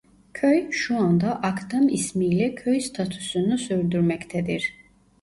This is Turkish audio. Köy şu anda Akdam ismiyle köy statüsünü sürdürmektedir.